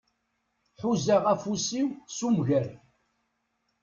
Ḥuzaɣ afus-iw s umger.